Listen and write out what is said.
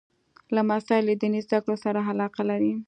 لمسی له دیني زده کړو سره علاقه لري.